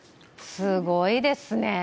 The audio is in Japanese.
すごいですね。